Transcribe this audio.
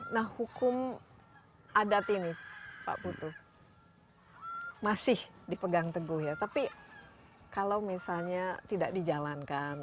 nah hukum adat ini pak putu masih dipegang teguh ya tapi kalau misalnya tidak dijalankan